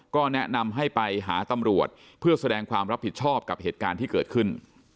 ก็แนะนำให้ไปหาตำรวจเพื่อแสดงความรับผิดชอบกับเหตุการณ์ที่เกิดขึ้น